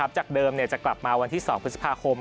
จากเดิมจะกลับมาวันที่๒พฤษภาคม